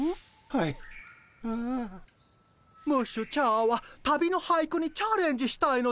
ムッシュチャーは旅の俳句にチャレンジしたいのです。